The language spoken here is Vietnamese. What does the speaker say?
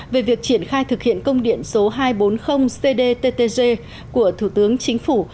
về việc triển khai thực hiện công điện số hai trăm bốn mươi cdttg của thủ tướng chính phủ